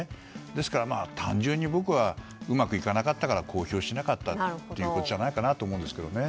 ですから、単純に僕はうまくいかなかったから公表しなかったんじゃないかと思うんですけどね。